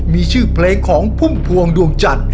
มีชื่อเพลงของพุ่มพวงดวงจันทร์